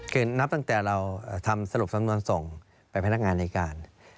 คือนับตั้งแต่เราทำสรุปสำนวนส่งไปพนักงานในการ